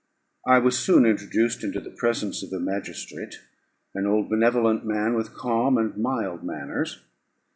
I was soon introduced into the presence of the magistrate, an old benevolent man, with calm and mild manners.